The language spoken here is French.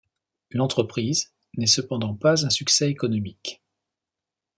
L'entreprise n'est cependant pas un succès économique.